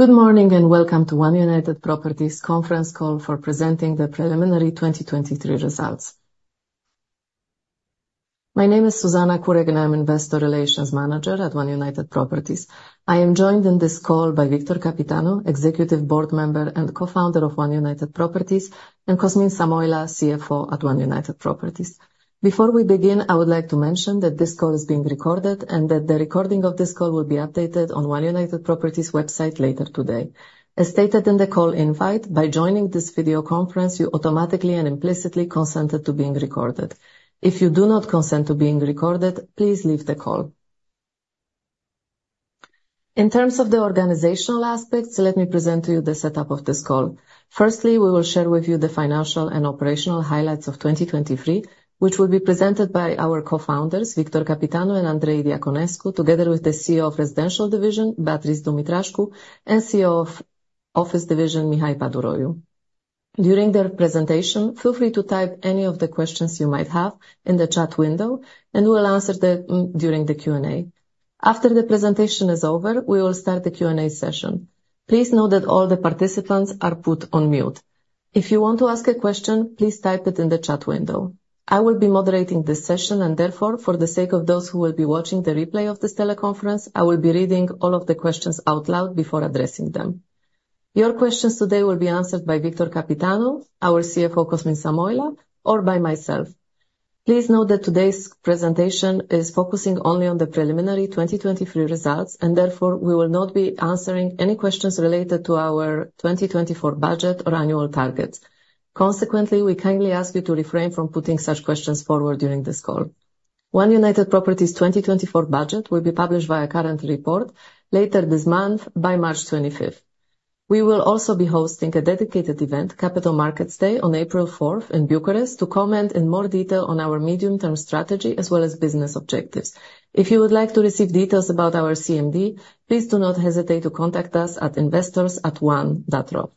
Good morning and welcome to One United Properties' conference call for presenting the preliminary 2023 results. My name is Zuzanna Kurek and I'm Investor Relations Manager at One United Properties. I am joined in this call by Victor Căpitanu, Executive Board Member and Co-Founder of One United Properties, and Cosmin Samoilă, CFO at One United Properties. Before we begin, I would like to mention that this call is being recorded and that the recording of this call will be updated on One United Properties' website later today. As stated in the call invite, by joining this video conference you automatically and implicitly consented to being recorded. If you do not consent to being recorded, please leave the call. In terms of the organizational aspects, let me present to you the setup of this call. Firstly, we will share with you the financial and operational highlights of 2023, which will be presented by our co-founders, Victor Căpitanu and Andrei Diaconescu, together with the CEO of Residential Division, Beatrice Dumitrașcu, and CEO of Office Division, Mihai Păduroiu. During their presentation, feel free to type any of the questions you might have in the chat window and we'll answer them during the Q&A. After the presentation is over, we will start the Q&A session. Please note that all the participants are put on mute. If you want to ask a question, please type it in the chat window. I will be moderating this session and therefore, for the sake of those who will be watching the replay of this teleconference, I will be reading all of the questions out loud before addressing them. Your questions today will be answered by Victor Căpitanu, our CFO, Cosmin Samoilă, or by myself. Please note that today's presentation is focusing only on the preliminary 2023 results and therefore we will not be answering any questions related to our 2024 budget or annual targets. Consequently, we kindly ask you to refrain from putting such questions forward during this call. One United Properties' 2024 budget will be published via current report later this month by March 25th. We will also be hosting a dedicated event, Capital Markets Day, on April 4th in Bucharest to comment in more detail on our medium-term strategy as well as business objectives. If you would like to receive details about our CMD, please do not hesitate to contact us at investors@one.ro.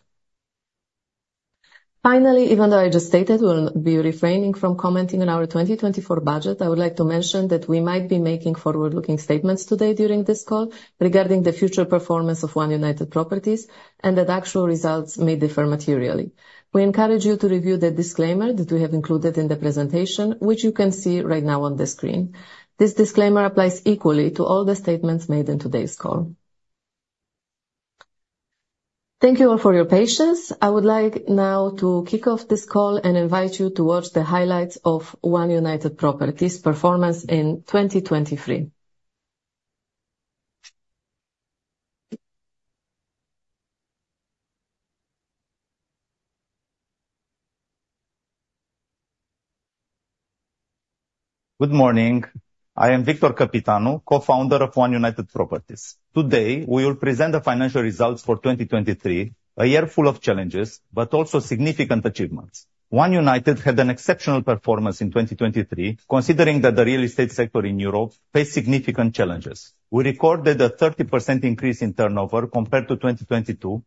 Finally, even though I just stated we'll be refraining from commenting on our 2024 budget, I would like to mention that we might be making forward-looking statements today during this call regarding the future performance of One United Properties and that actual results may differ materially. We encourage you to review the disclaimer that we have included in the presentation, which you can see right now on the screen. This disclaimer applies equally to all the statements made in today's call. Thank you all for your patience. I would like now to kick off this call and invite you to watch the highlights of One United Properties' performance in 2023. Good morning. I am Victor Căpitanu, Co-Founder of One United Properties. Today we will present the financial results for 2023, a year full of challenges but also significant achievements. One United had an exceptional performance in 2023 considering that the real estate sector in Europe faced significant challenges. We recorded a 30% increase in turnover compared to 2022,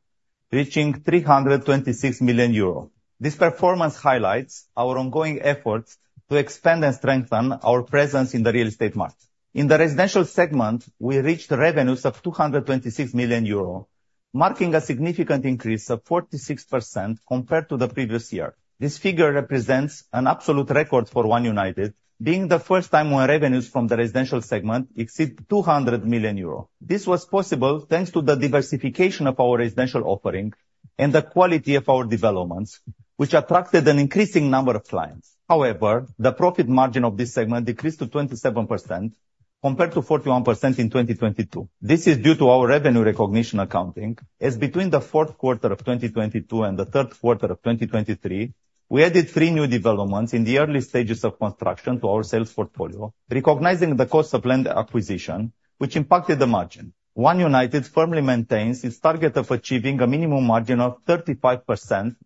reaching 326 million euro. This performance highlights our ongoing efforts to expand and strengthen our presence in the real estate market. In the residential segment, we reached revenues of 226 million euro, marking a significant increase of 46% compared to the previous year. This figure represents an absolute record for One United, being the first time when revenues from the residential segment exceeded 200 million euro. This was possible thanks to the diversification of our residential offering and the quality of our developments, which attracted an increasing number of clients. However, the profit margin of this segment decreased to 27% compared to 41% in 2022. This is due to our revenue recognition accounting, as between the fourth quarter of 2022 and the third quarter of 2023 we added three new developments in the early stages of construction to our sales portfolio, recognizing the cost of land acquisition, which impacted the margin. One United Properties firmly maintains its target of achieving a minimum margin of 35% on each residential development.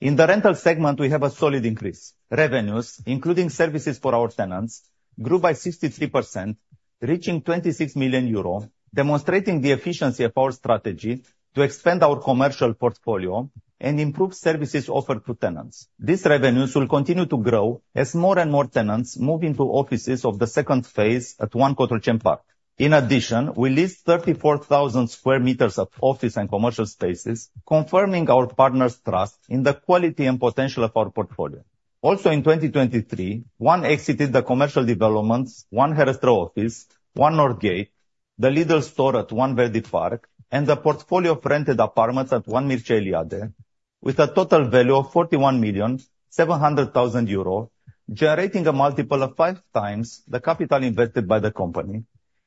In the rental segment we have a solid increase. Revenues, including services for our tenants, grew by 63%, reaching 26 million euro, demonstrating the efficiency of our strategy to expand our commercial portfolio and improve services offered to tenants. These revenues will continue to grow as more and more tenants move into offices of the second phase at One Cotroceni Park. In addition, we leased 34,000 sqm of office and commercial spaces, confirming our partners' trust in the quality and potential of our portfolio. Also in 2023, One exited the commercial developments One Herăstrău Office, One Nordgate, the Lidl store at One Verdi Park, and the portfolio of rented apartments at One Mircea Eliade, with a total value of 41,700,000 euro, generating a 5x multiple of the capital invested by the company,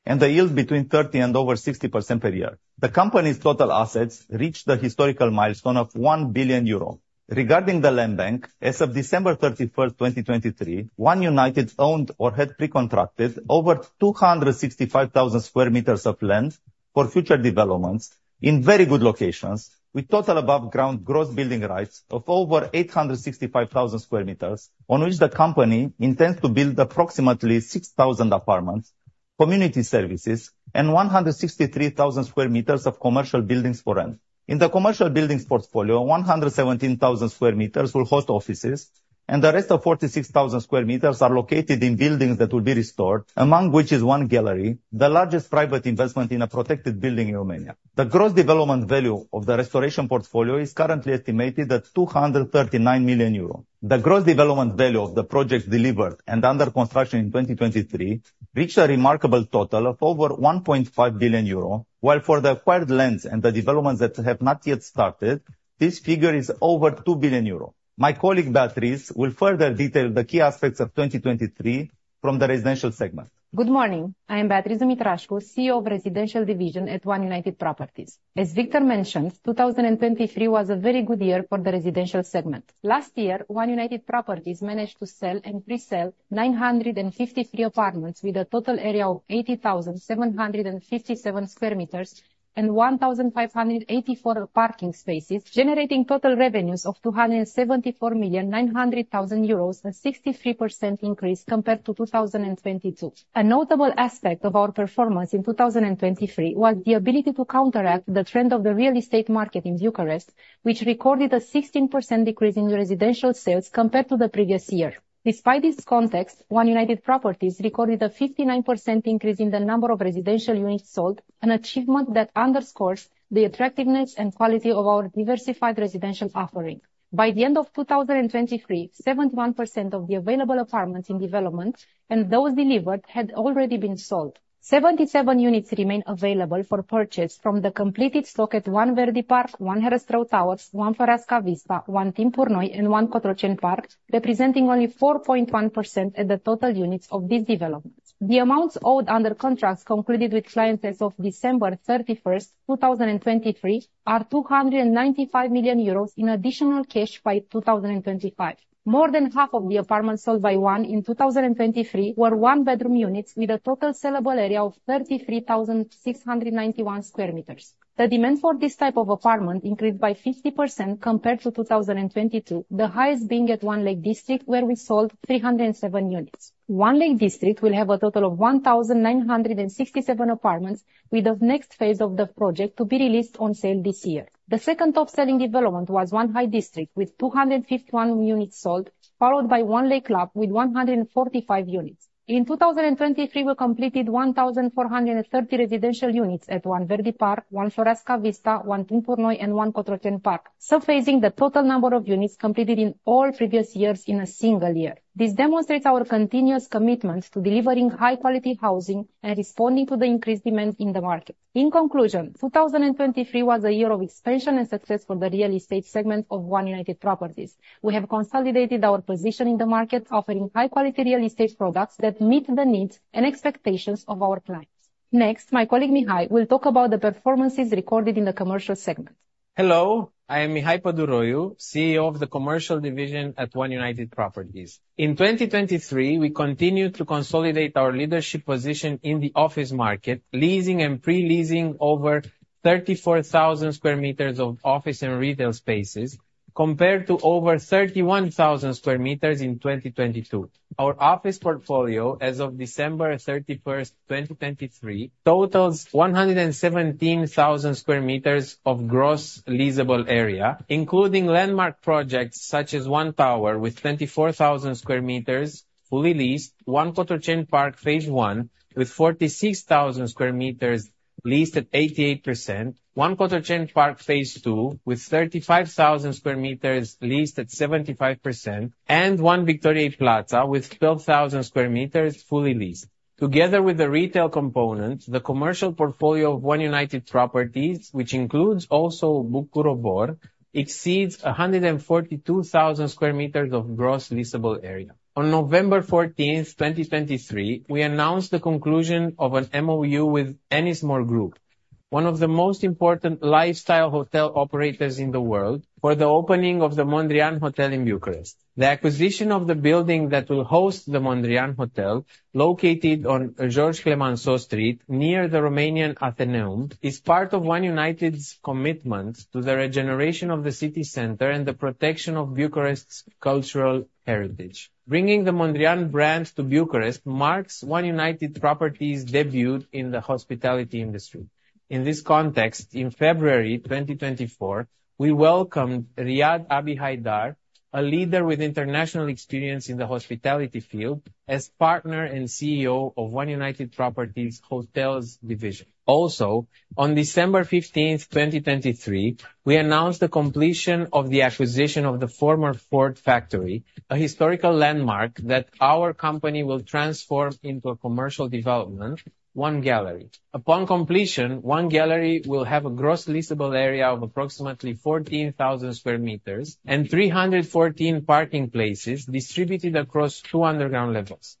and a yield between 30% and over 60% per year. The company's total assets reached the historical milestone of 1 billion euro. Regarding the land bank, as of December 31st, 2023, One United owned or had pre-contracted over 265,000 sqm of land for future developments in very good locations, with total above-ground gross building rights of over 865,000 sqm, on which the company intends to build approximately 6,000 apartments, community services, and 163,000 sqm of commercial buildings for rent. In the commercial buildings portfolio, 117,000 sqm will host offices, and the rest of 46,000 sqm are located in buildings that will be restored, among which is One Gallery, the largest private investment in a protected building in Romania. The gross development value of the restoration portfolio is currently estimated at 239 million euros. The gross development value of the projects delivered and under construction in 2023 reached a remarkable total of over 1.5 billion euro, while for the acquired lands and the developments that have not yet started, this figure is over 2 billion euro. My colleague Beatrice will further detail the key aspects of 2023 from the residential segment. Good morning. I am Beatrice Dumitrașcu, CEO of Residential Division at One United Properties. As Victor mentioned, 2023 was a very good year for the residential segment. Last year, One United Properties managed to sell and pre-sell 953 apartments with a total area of 80,757 sqm and 1,584 parking spaces, generating total revenues of 274,900,000 euros, a 63% increase compared to 2022. A notable aspect of our performance in 2023 was the ability to counteract the trend of the real estate market in Bucharest, which recorded a 16% decrease in residential sales compared to the previous year. Despite this context, One United Properties recorded a 59% increase in the number of residential units sold, an achievement that underscores the attractiveness and quality of our diversified residential offering. By the end of 2023, 71% of the available apartments in development and those delivered had already been sold. 77 units remain available for purchase from the completed stock at One Verdi Park, One Herăstrău Towers, One Floreasca Vista, One Timpuri Noi, and One Cotroceni Park, representing only 4.1% of the total units of these developments. The amounts owed under contracts concluded with clients as of December 31st, 2023, are 295 million euros in additional cash by 2025. More than half of the apartments sold by One in 2023 were one-bedroom units with a total sellable area of 33,691 sqm. The demand for this type of apartment increased by 50% compared to 2022, the highest being at One Lake District, where we sold 307 units. One Lake District will have a total of 1,967 apartments, with the next phase of the project to be released on sale this year. The second top-selling development was One High District, with 251 units sold, followed by One Lake Club with 145 units. In 2023, we completed 1,430 residential units at One Verdi Park, One Floreasca Vista, One Timpuri Noi, and One Cotroceni Park, surpassing the total number of units completed in all previous years in a single year. This demonstrates our continuous commitment to delivering high-quality housing and responding to the increased demand in the market. In conclusion, 2023 was a year of expansion and success for the real estate segment of One United Properties. We have consolidated our position in the market, offering high-quality real estate products that meet the needs and expectations of our clients. Next, my colleague Mihai will talk about the performances recorded in the commercial segment. Hello. I am Mihai Păduroiu, CEO of the Commercial Division at One United Properties. In 2023, we continued to consolidate our leadership position in the office market, leasing and pre-leasing over 34,000 sqm of office and retail spaces, compared to over 31,000 sqm in 2022. Our office portfolio, as of December 31st, 2023, totals 117,000 sqm of gross leasable area, including landmark projects such as One Tower with 24,000 sqm, fully leased, One Cotroceni Park Phase 1 with 46,000 sqm leased at 88%, One Cotroceni Park Phase 2 with 35,000 sqm leased at 75%, and One Victoriei Plaza with 12,000 sqm fully leased. Together with the retail component, the commercial portfolio of One United Properties, which includes also Bucur Obor, exceeds 142,000 sqm of gross leasable area. On November 14th, 2023, we announced the conclusion of an MOU with Ennismore Group, one of the most important lifestyle hotel operators in the world, for the opening of the Mondrian Hotel in Bucharest. The acquisition of the building that will host the Mondrian Hotel, located on Georges Clemenceau Street near the Romanian Athenaeum, is part of One United Properties' commitment to the regeneration of the city center and the protection of Bucharest's cultural heritage. Bringing the Mondrian brand to Bucharest marks One United Properties' debut in the hospitality industry. In this context, in February 2024, we welcomed Riad Abi Haidar, a leader with international experience in the hospitality field, as partner and CEO of One United Properties' Hotels Division. Also, on December 15th, 2023, we announced the completion of the acquisition of the former Ford factory, a historical landmark that our company will transform into a commercial development, One Gallery. Upon completion, One Gallery will have a gross leasable area of approximately 14,000 sqm and 314 parking places distributed across two underground levels.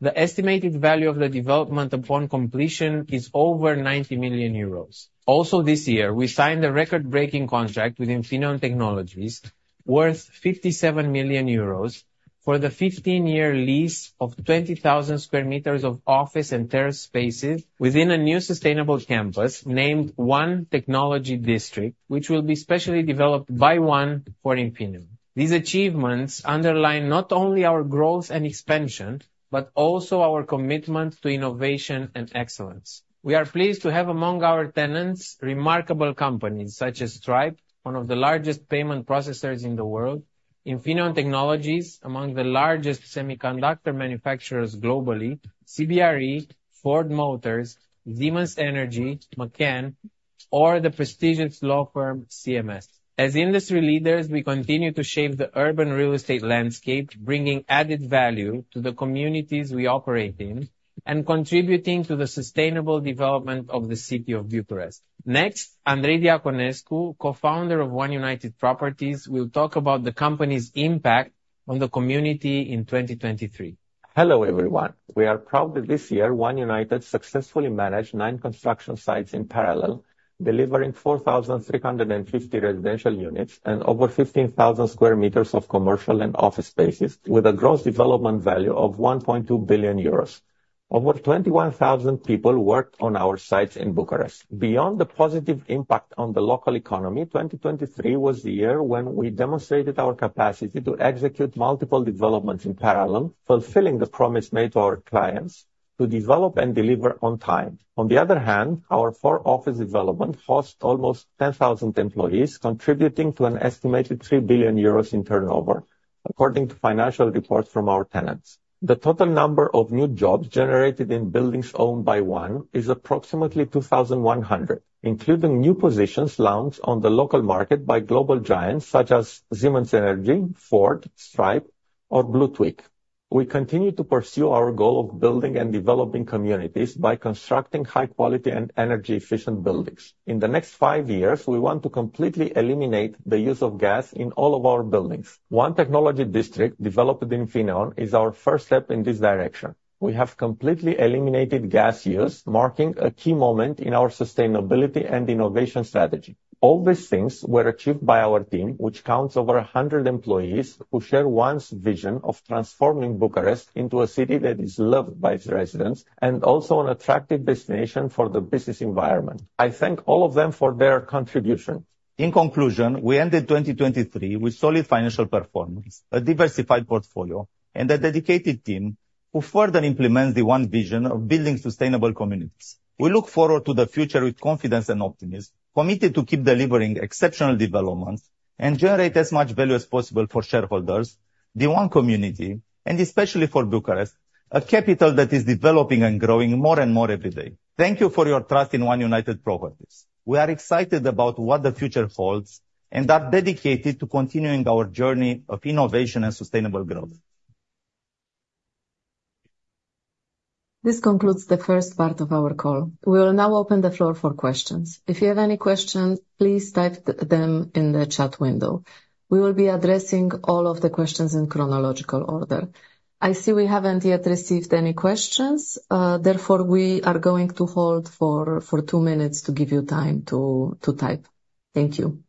The estimated value of the development upon completion is over 90 million euros. Also this year, we signed a record-breaking contract with Infineon Technologies, worth 57 million euros, for the 15-year lease of 20,000 sqm of office and terrace spaces within a new sustainable campus named One Technology District, which will be specially developed by One for Infineon. These achievements underline not only our growth and expansion but also our commitment to innovation and excellence. We are pleased to have among our tenants remarkable companies such as Stripe, one of the largest payment processors in the world, Infineon Technologies, among the largest semiconductor manufacturers globally, CBRE, Ford Motors, Siemens Energy, McCann, or the prestigious law firm CMS. As industry leaders, we continue to shape the urban real estate landscape, bringing added value to the communities we operate in and contributing to the sustainable development of the city of Bucharest. Next, Andrei Diaconescu, Co-Founder of One United Properties, will talk about the company's impact on the community in 2023. Hello everyone. We are proud that this year One United successfully managed nine construction sites in parallel, delivering 4,350 residential units and over 15,000 sqm of commercial and office spaces, with a gross development value of 1.2 billion euros. Over 21,000 people worked on our sites in Bucharest. Beyond the positive impact on the local economy, 2023 was the year when we demonstrated our capacity to execute multiple developments in parallel, fulfilling the promise made to our clients to develop and deliver on time. On the other hand, our four office developments host almost 10,000 employees, contributing to an estimated 3 billion euros in turnover, according to financial reports from our tenants. The total number of new jobs generated in buildings owned by One is approximately 2,100, including new positions launched on the local market by global giants such as Siemens Energy, Ford, Stripe, or BlueTwig. We continue to pursue our goal of building and developing communities by constructing high-quality and energy-efficient buildings. In the next five years, we want to completely eliminate the use of gas in all of our buildings. One Technology District developed at Infineon is our first step in this direction. We have completely eliminated gas use, marking a key moment in our sustainability and innovation strategy. All these things were achieved by our team, which counts over 100 employees who share One's vision of transforming Bucharest into a city that is loved by its residents and also an attractive destination for the business environment. I thank all of them for their contribution. In conclusion, we ended 2023 with solid financial performance, a diversified portfolio, and a dedicated team who further implements the One vision of building sustainable communities. We look forward to the future with confidence and optimism, committed to keep delivering exceptional developments and generate as much value as possible for shareholders, the One community, and especially for Bucharest, a capital that is developing and growing more and more every day. Thank you for your trust in One United Properties. We are excited about what the future holds and are dedicated to continuing our journey of innovation and sustainable growth. This concludes the first part of our call. We will now open the floor for questions. If you have any questions, please type them in the chat window. We will be addressing all of the questions in chronological order. I see we haven't yet received any questions, therefore we are going to hold for two minutes to give you time to type. Thank you.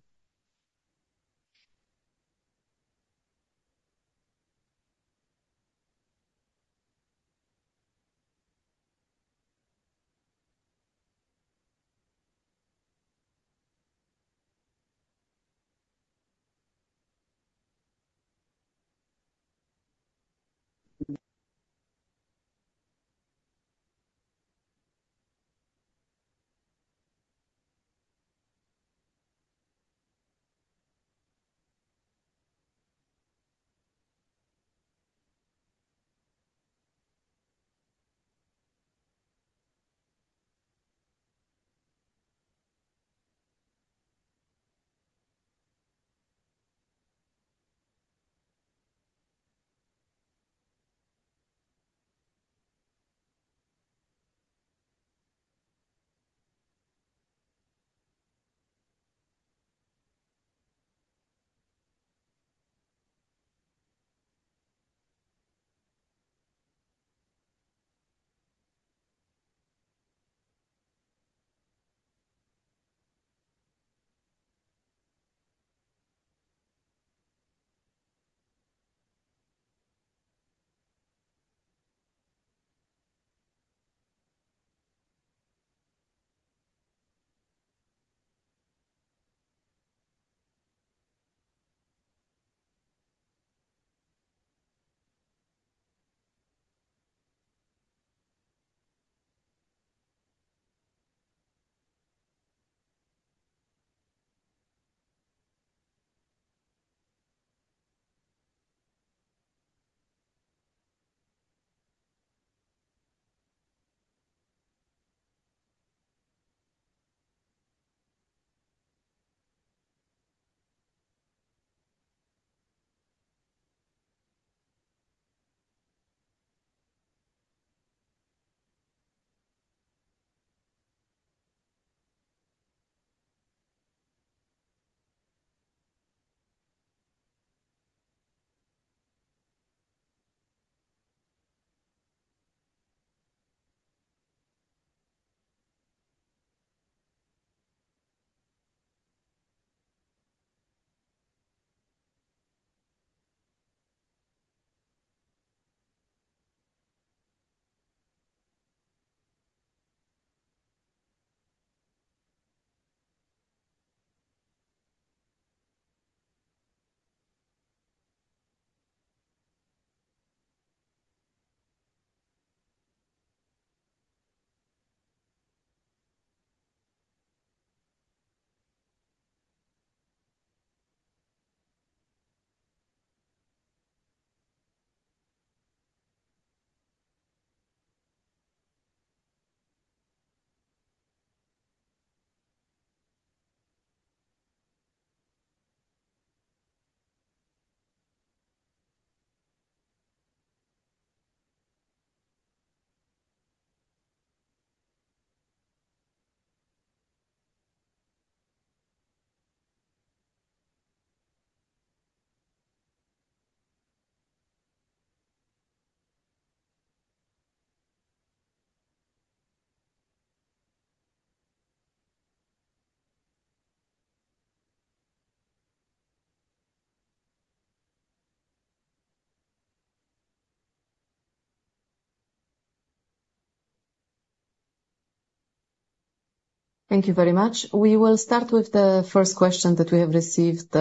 Thank you very much. We will start with the first question that we have received,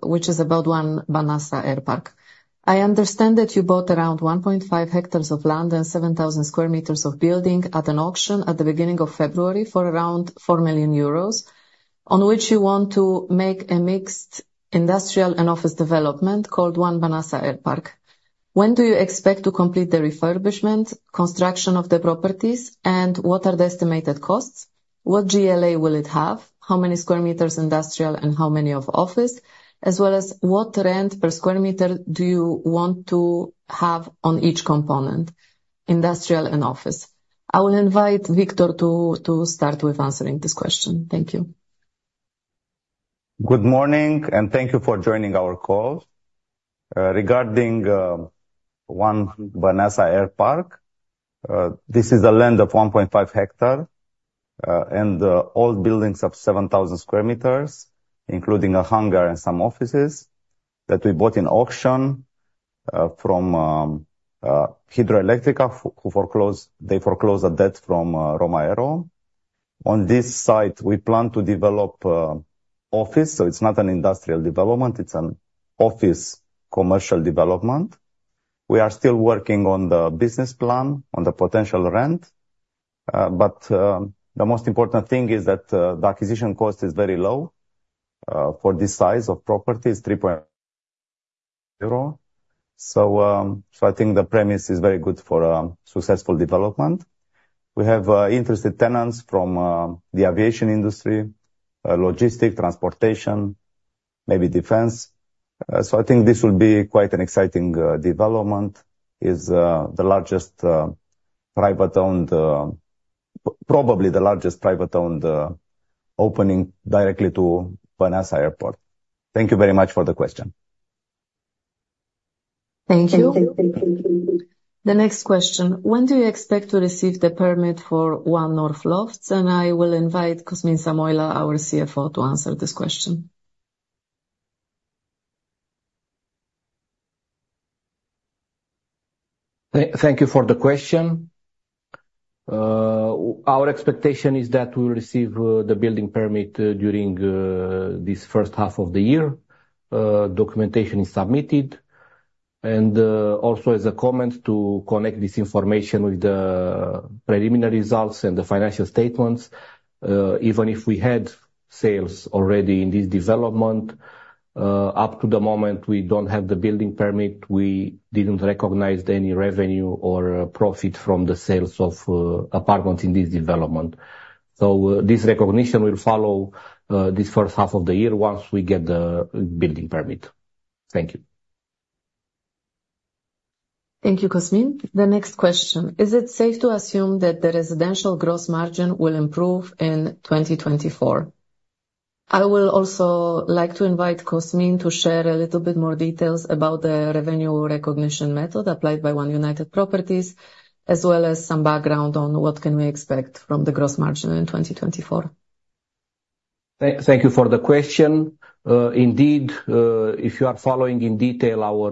which is about One Băneasa Air Park. I understand that you bought around 1.5 hectares of land and 7,000 sq m of building at an auction at the beginning of February for around 4 million euros, on which you want to make a mixed industrial and office development called One Băneasa Air Park. When do you expect to complete the refurbishment, construction of the properties, and what are the estimated costs? What GLA will it have, how many sqm industrial and how many of office, as well as what rent per square meter do you want to have on each component, industrial and office? I will invite Victor to start with answering this question. Thank you. Good morning, and thank you for joining our call. Regarding One Băneasa Air Park, this is a land of 1.5 hectare and old buildings of 7,000 sqm, including a hangar and some offices, that we bought in auction from Hidroelectrica, who foreclosed a debt from Romaero. On this site, we plan to develop office, so it's not an industrial development, it's an office commercial development. We are still working on the business plan, on the potential rent, but the most important thing is that the acquisition cost is very low for this size of property, it's 3.0 million, so I think the premise is very good for a successful development. We have interested tenants from the aviation industry, logistics, transportation, maybe defense, so I think this will be quite an exciting development, is the largest private-owned, probably the largest private-owned opening directly to Băneasa Airport. Thank you very much for the question. Thank you. The next question: when do you expect to receive the permit for One North Lofts, and I will invite Cosmin Samoilă, our CFO, to answer this question. Thank you for the question. Our expectation is that we will receive the building permit during this first half of the year, documentation is submitted, and also as a comment to connect this information with the preliminary results and the financial statements, even if we had sales already in this development. Up to the moment we don't have the building permit, we didn't recognize any revenue or profit from the sales of apartments in this development. So this recognition will follow this first half of the year once we get the building permit. Thank you. Thank you, Cosmin. The next question: is it safe to assume that the residential gross margin will improve in 2024? I will also like to invite Cosmin to share a little bit more details about the revenue recognition method applied by One United Properties, as well as some background on what can we expect from the gross margin in 2024. Thank you for the question. Indeed, if you are following in detail our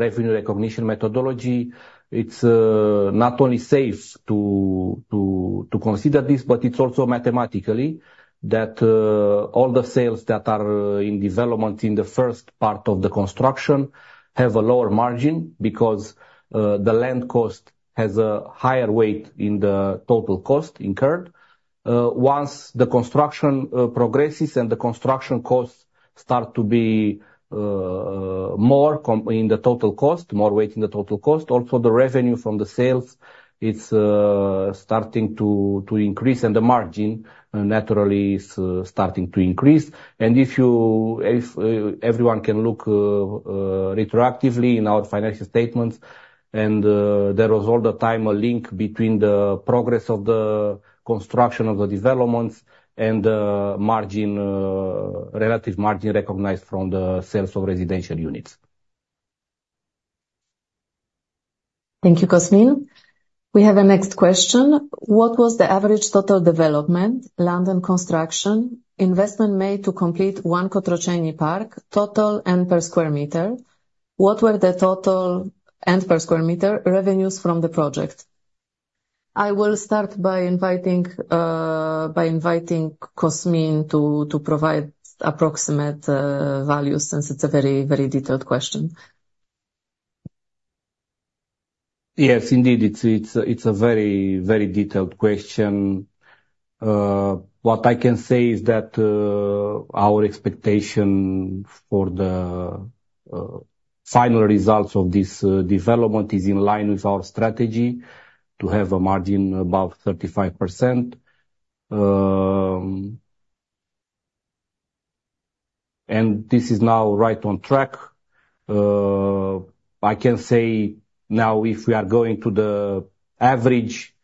revenue recognition methodology, it's not only safe to consider this, but it's also mathematically that all the sales that are in development in the first part of the construction have a lower margin because the land cost has a higher weight in the total cost incurred. Once the construction progresses and the construction costs start to be more in the total cost, more weight in the total cost, also the revenue from the sales is starting to increase and the margin naturally is starting to increase. And if you everyone can look retroactively in our financial statements, and there was all the time a link between the progress of the construction of the developments and the relative margin recognized from the sales of residential units. Thank you, Cosmin. We have a next question: what was the average total development, land and construction, investment made to complete One Cotroceni Park, total and per square meter? What were the total and per square meter revenues from the project? I will start by inviting Cosmin to provide approximate values since it's a very, very detailed question. Yes, indeed, it's a very, very detailed question. What I can say is that our expectation for the final results of this development is in line with our strategy to have a margin above 35%, and this is now right on track. I can say now if we are going to the average,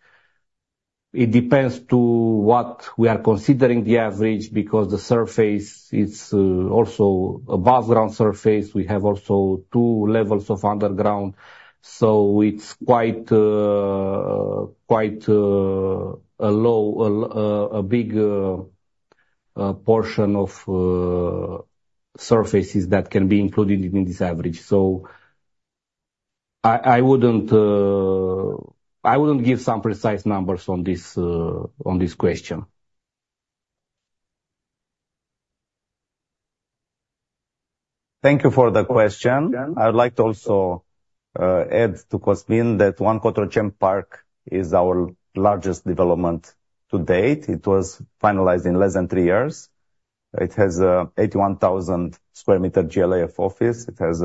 it depends on what we are considering the average because the surface is also above ground surface, we have also two levels of underground, so it's quite a big portion of surfaces that can be included in this average. So I wouldn't give some precise numbers on this question. Thank you for the question. I would like to also add to Cosmin that One Cotroceni Park is our largest development to date, it was finalized in less than three years. It has 81,000 sqm GLA of office, it has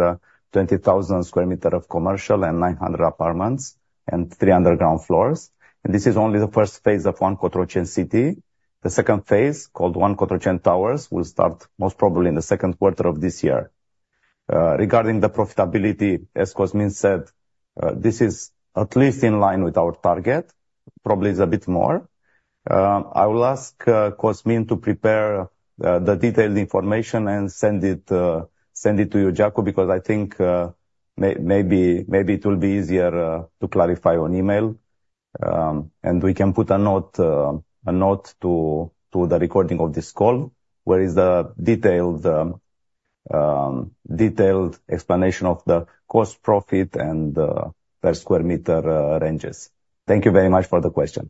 20,000 sqm of commercial and 900 apartments and three underground floors, and this is only the first phase of One Cotroceni Park. The second phase, called One Cotroceni Towers, will start most probably in the second quarter of this year. Regarding the profitability, as Cosmin said, this is at least in line with our target, probably a bit more. I will ask Cosmin to prepare the detailed information and send it to you, Jaco, because I think maybe it will be easier to clarify on email, and we can put a note to the recording of this call where is the detailed explanation of the cost-profit and per sqm ranges. Thank you very much for the question.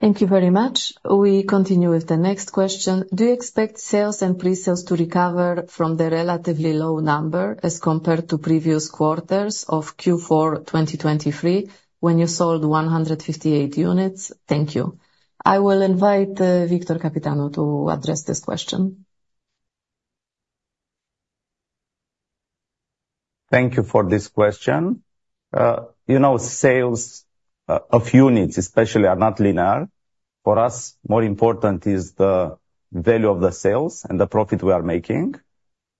Thank you very much. We continue with the next question: do you expect sales and presales to recover from the relatively low number as compared to previous quarters of Q4 2023 when you sold 158 units? Thank you. I will invite Victor Căpitanu to address this question. Thank you for this question. You know, sales of units, especially, are not linear. For us, more important is the value of the sales and the profit we are making,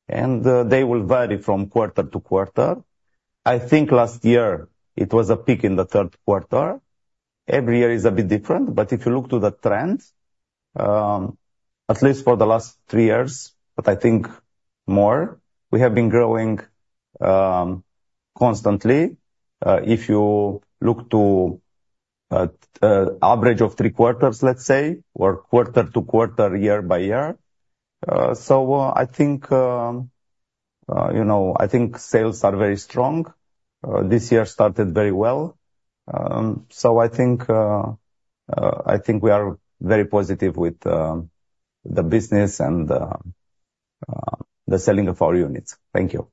and they will vary from quarter-to-quarter. I think last year it was a peak in the third quarter. Every year is a bit different, but if you look to the trend, at least for the last three years, but I think more, we have been growing constantly. If you look to the average of three quarters, let's say, or quarter-to-quarter, year-by-year. So I think sales are very strong. This year started very well. So I think we are very positive with the business and the selling of our units. Thank you.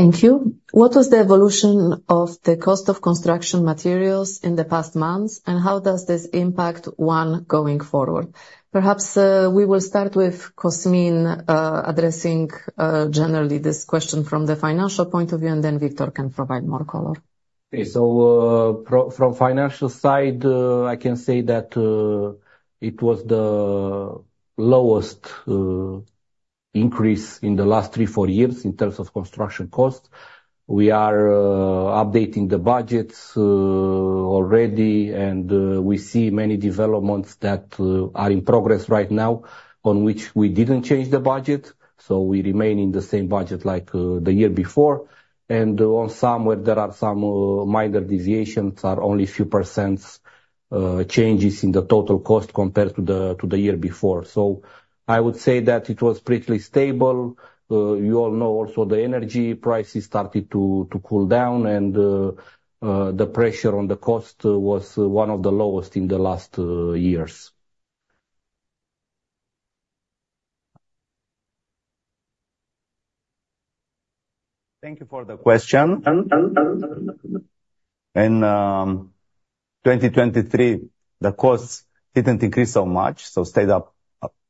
Thank you. What was the evolution of the cost of construction materials in the past months, and how does this impact One going forward? Perhaps we will start with Cosmin addressing generally this question from the financial point of view, and then Victor can provide more color. Okay, so from the financial side, I can say that it was the lowest increase in the last three to four years in terms of construction costs. We are updating the budgets already, and we see many developments that are in progress right now on which we didn't change the budget, so we remain in the same budget like the year before. And somewhere there are some minor deviations, only a few % changes in the total cost compared to the year before. So I would say that it was pretty stable. You all know also the energy prices started to cool down, and the pressure on the cost was one of the lowest in the last years. Thank you for the question. In 2023, the costs didn't increase so much, so stayed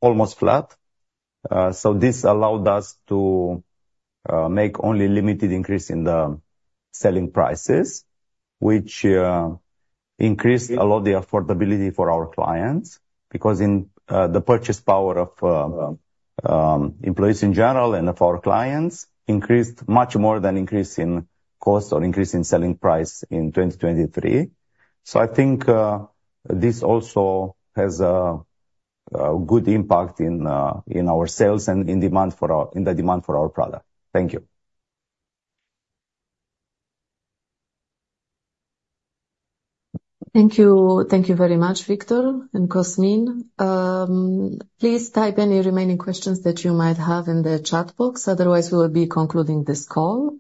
almost flat. So this allowed us to make only a limited increase in the selling prices, which increased a lot of the affordability for our clients because the purchase power of employees in general and of our clients increased much more than the increase in costs or increase in selling price in 2023. So I think this also has a good impact in our sales and in the demand for our product. Thank you. Thank you very much, Victor and Cosmin. Please type any remaining questions that you might have in the chat box, otherwise we will be concluding this call.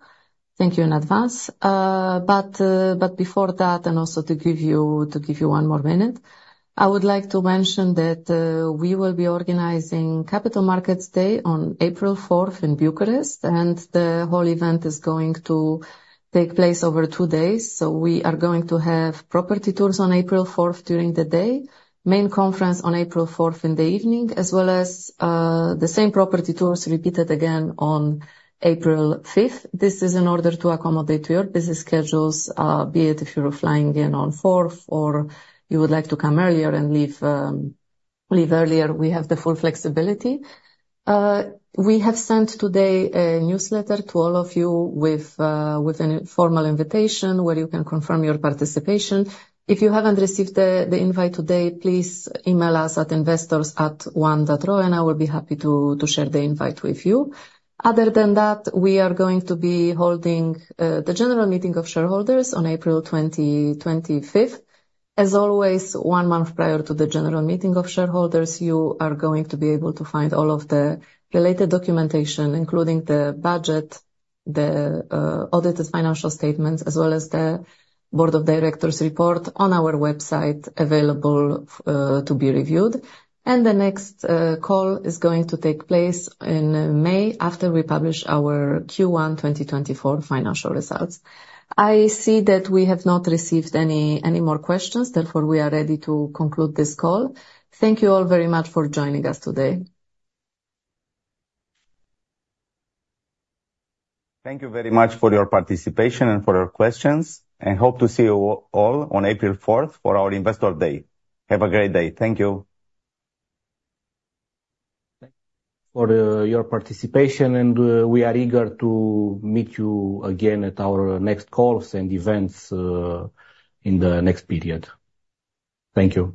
Thank you in advance. But before that, and also to give you one more minute, I would like to mention that we will be organizing Capital Markets Day on April 4th in Bucharest, and the whole event is going to take place over two days. So we are going to have property tours on April 4th during the day, main conference on April 4th in the evening, as well as the same property tours repeated again on April 5th. This is in order to accommodate your business schedules, be it if you're flying in on the 4th or you would like to come earlier and leave earlier, we have the full flexibility. We have sent today a newsletter to all of you with a formal invitation where you can confirm your participation. If you haven't received the invite today, please email us at investors@one.ro, and I will be happy to share the invite with you. Other than that, we are going to be holding the general meeting of shareholders on April 20, 2025. As always, one month prior to the general meeting of shareholders, you are going to be able to find all of the related documentation, including the budget, the audited financial statements, as well as the board of directors report on our website available to be reviewed. The next call is going to take place in May after we publish our Q1 2024 financial results. I see that we have not received any more questions, therefore we are ready to conclude this call. Thank you all very much for joining us today. Thank you very much for your participation and for your questions, and hope to see you all on April 4th for our Investor Day. Have a great day. Thank you. For your participation, and we are eager to meet you again at our next calls and events in the next period. Thank you.